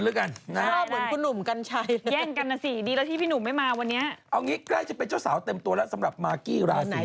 เอาอย่างนี้ใกล้จะเป็นเจ้าสาวเต็มตัวแล้วสำหรับมากี้ราศี